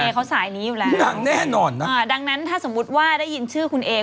ก็ดังนั้นนั่นถ้าสมมุติว่าได้ยินชื่อคุณเอก